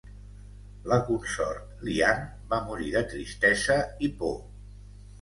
La Consort Liang va morir de tristesa i por.